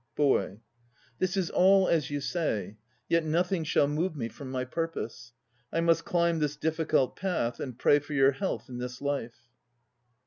BOY. This is all as you say. ... Yet nothing shall move me from my purpose. I must climb this difficult path and pray for your health in this life.